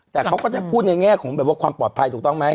แต่เขาก็จะพูดในแง่ของแบบว่าความปลอดภัยถูกต้องไหม